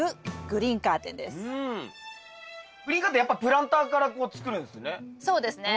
グリーンカーテンやっぱプランターからこう作るんですね。